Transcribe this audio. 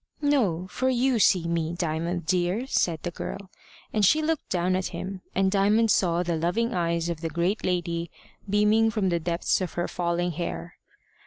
"No. For you see me, Diamond, dear," said the girl, and she looked down at him, and Diamond saw the loving eyes of the great lady beaming from the depths of her falling hair.